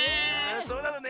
そうなのね。